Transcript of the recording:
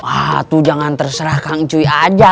ah tuh jangan terserah kang uncuy aja